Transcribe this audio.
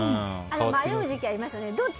迷う時期ありますよね。